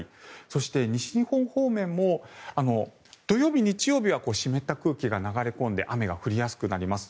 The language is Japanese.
そして、西日本方面も土曜日、日曜日は湿った空気が流れ込んで雨が降りやすくなります。